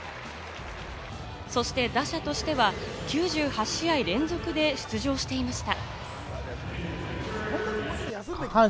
そして打者としては９８試合連続で出場していました。